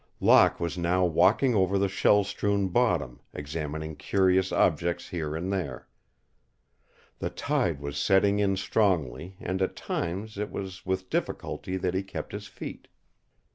Locke was now walking over the shell strewn bottom, examining curious objects here and there. The tide was setting in strongly and at times it was with difficulty that he kept his feet.